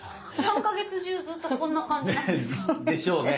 ３か月中ずっとこんな感じなんですか？